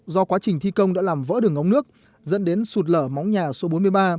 do quá trình thi công đã làm vỡ đường ống nước dẫn đến sụt lở móng nhà số bốn mươi ba